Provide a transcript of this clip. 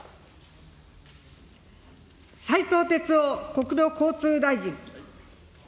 斉藤鉄夫国土交通大臣。